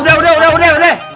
nah udah udah udah